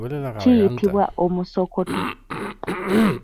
Kiyitibwa omusokoto.